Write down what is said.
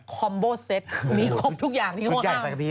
คอมโบเซตนี่คงทุกอย่างที่มองข้าง